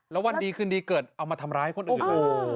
แล้ววันดีคืนดีเกิดเอามาทำร้ายคนอื่น